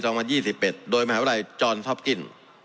๒๐๒๑โดยมหาวิทยาลัยจอนท็อปกิ้น